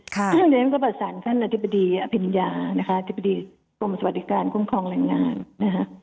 เพราะฉะนั้นก็ประสานท่านอธิบดีอภิญญานะคะอธิบดีกรมสวัสดิการคุ้มครองแรงงานนะคะ